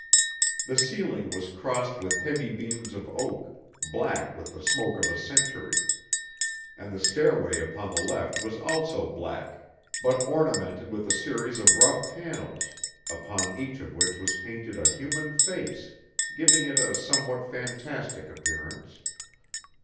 The ceiling was crossed with heavy beams of oak, black with the smoke of a century; and the stairway upon the left was also black, but ornamented with a series of rough panels, upon each of which was painted a human face, giving it a somewhat fantastic appearance.